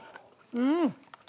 うん！